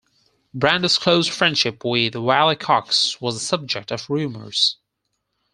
Brando's close friendship with Wally Cox was the subject of rumors.